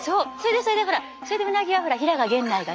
それでほらそれでうなぎは平賀源内がね